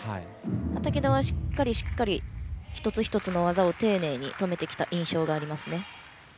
畠田はしっかりしっかり一つ一つの技を丁寧に止めてきた印象がありますね。